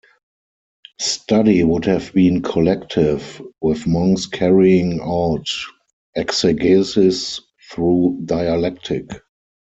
Study would have been collective, with monks carrying out exegesis through dialectic.